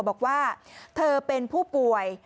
บอกว่าเธอเป็นผู้ป่วย